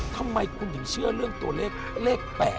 ทำไมคุณถึงเชื่อเรื่องตัวเลขเลข๘